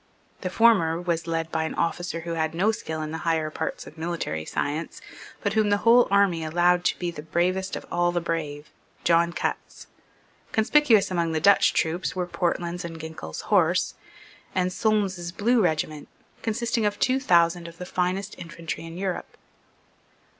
The former was led by an officer who had no skill in the higher parts of military science, but whom the whole army allowed to be the bravest of all the brave, John Cutts. Conspicuous among the Dutch troops were Portland's and Ginkell's Horse, and Solmes's Blue regiment, consisting of two thousand of the finest infantry in Europe.